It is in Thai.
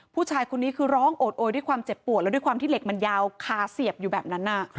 ผู้ชายคนนี้คือร้องโอดโอยด้วยความเจ็บปวดแล้วด้วยความที่เหล็กมันยาวคาเสียบอยู่แบบนั้น